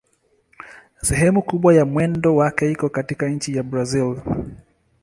Sehemu kubwa ya mwendo wake iko katika nchi ya Brazil.